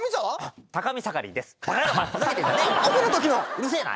うるせえな。